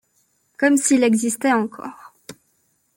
comme s’il existait encore.